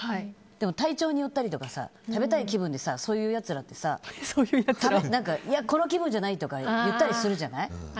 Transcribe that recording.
でも体調によったりとか食べたい気分でそういうやつらってさ何か、この気分じゃないとかって言ったりするじゃない。